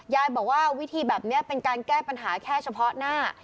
ยายบอกว่าวิธีแบบนี้เป็นการแก้ปัญหาแค่เฉพาะหน้า